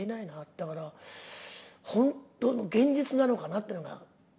だから、本当に現実なのかなっていうのが。